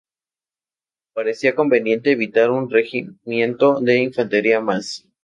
Parecía conveniente enviar un regimiento de infantería más.